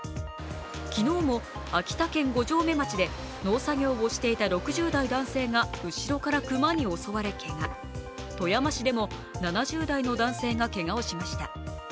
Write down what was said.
昨日も秋田県五城目町で農作業をしていた６９代男性が後ろから熊に襲われけが、富山市でも７０代の男性がけがをしました。